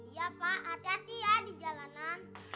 iya pak hati hati ya di jalanan